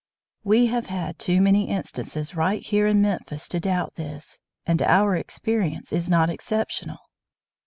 We have had too many instances right here in Memphis to doubt this, and our experience is not exceptional.